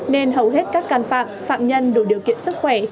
nên hầu hết các can phạm phạm nhân đủ điều kiện sức khỏe